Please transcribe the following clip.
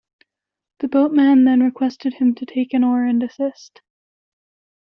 The boatman then requested him to take an oar and assist.